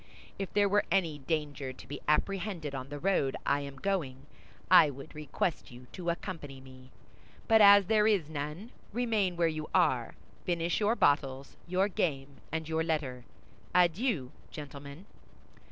If there were any danger to be apprehended on the road I am going, I would request you to accompany me; but as there is none, remain where you are, finish your bottles, your game, and your letter. Adieu, gentlemen!"